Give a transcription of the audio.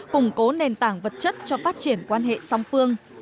củng cố nền tảng vật chất cho phát triển quan hệ song phương